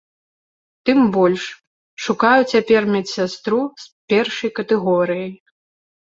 Тым больш, шукаю цяпер медсястру з першай катэгорыяй.